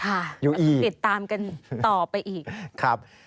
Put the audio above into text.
ค่ะติดตามกันต่อไปอีก